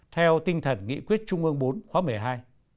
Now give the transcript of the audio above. theo tinh thần nghị quyết trung ương bốn khóa một mươi hai